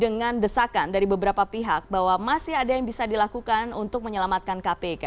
dengan desakan dari beberapa pihak bahwa masih ada yang bisa dilakukan untuk menyelamatkan kpk